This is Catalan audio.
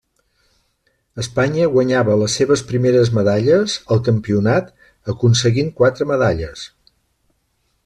Espanya guanyava les seves primeres medalles al campionat aconseguint quatre medalles.